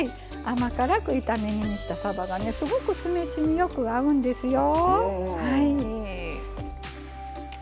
甘辛く炒め煮にしたさばがねすごく酢飯によく合うんですよ。